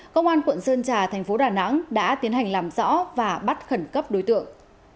công an quận sơn trà tp đà nẵng đã tiến hành làm rõ và bắt khẩn cấp đối tượng